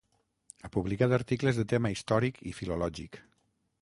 Ha publicat articles de tema històric i filològic.